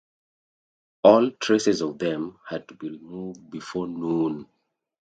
All traces of them had to be removed before noon.